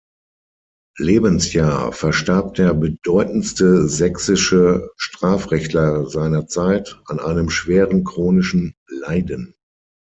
Lebensjahr verstarb der bedeutendste sächsische Strafrechtler seiner Zeit, an einem schweren chronischen Leiden.